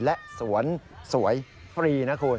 และสวนสวยฟรีนะคุณ